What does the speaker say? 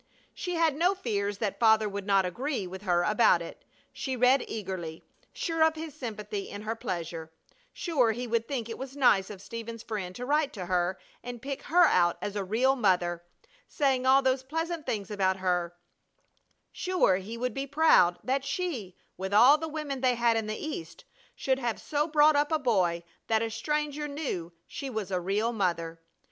She had no fears that Father would not agree with her about it. She read eagerly, sure of his sympathy in her pleasure; sure he would think it was nice of Stephen's friend to write to her and pick her out as a real mother, saying all those pleasant things about her; sure he would be proud that she, with all the women they had in the East, should have so brought up a boy that a stranger knew she was a real mother.